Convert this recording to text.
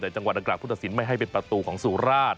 แต่จังหวะอาการภูตศิลป์ไม่ให้เป็นประตูของสูราธ